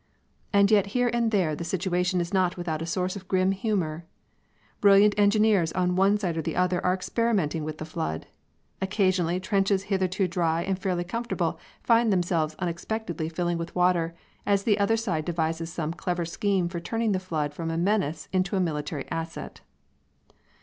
And yet here and there the situation is not without a sort of grim humour. Brilliant engineers on one side or the other are experimenting with the flood. Occasionally trenches hitherto dry and fairly comfortable find themselves unexpectedly filling with water, as the other side devises some clever scheme for turning the flood from a menace into a military asset.